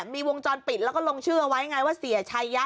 มีวงจรปิดแล้วก็ลงชื่อเอาไว้ไงว่าเสียชัยยะ